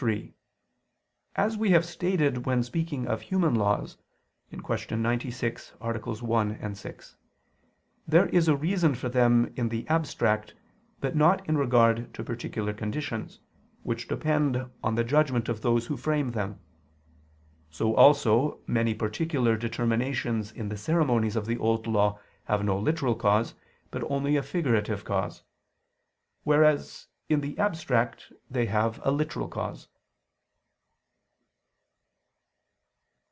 3: As we have stated when speaking of human laws (Q. 96, AA. 1, 6), there is a reason for them in the abstract, but not in regard to particular conditions, which depend on the judgment of those who frame them; so also many particular determinations in the ceremonies of the Old Law have no literal cause, but only a figurative cause; whereas in the abstract they have a literal cause.